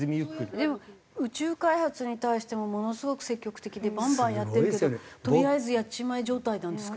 でも宇宙開発に対してもものすごく積極的でバンバンやってるけどとりあえずやっちまえ状態なんですか？